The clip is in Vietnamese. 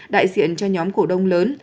đại diện cho nhóm cổ đông lớn